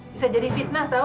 bisa jadi fitnah tahu